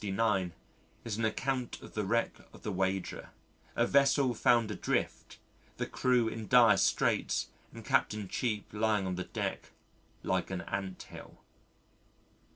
169) is an account of the wreck of the Wager, a vessel found adrift, the crew in dire straits and Captain Cheap lying on the deck "like an ant hill."